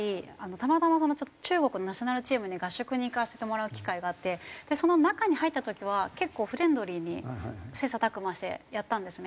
たまたま中国のナショナルチームに合宿に行かせてもらう機会があってその中に入った時は結構フレンドリーに切磋琢磨してやったんですね。